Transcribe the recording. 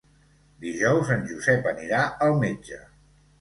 Dijous en Josep anirà al metge.